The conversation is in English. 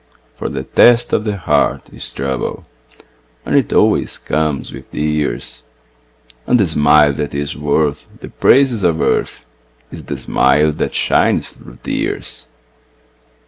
For the test of the heart is trouble, And it always comes with the years, And the smile that is worth the praises of earth Is the smile that shines through tears.